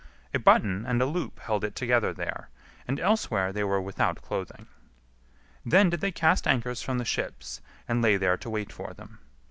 A button and a loop held it together there; and elsewhere they were without clothing. Then did they cast anchors from the ships, and lay there to wait for them.